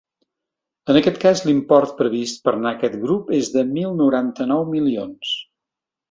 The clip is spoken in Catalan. En aquest cas, l’import previst per a aquest grup és de mil noranta-nou milions.